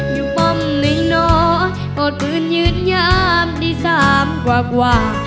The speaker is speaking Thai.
อยู่ปำนึงหน่อยปลอดฟื้นยืดย้ำดีซ้ำกว่ากว่า